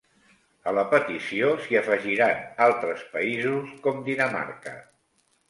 A la petició s'hi afegiran altres països com Dinamarca